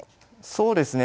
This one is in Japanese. そうですね。